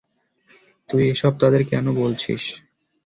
তুই এসব তাদের কেন বলছিস?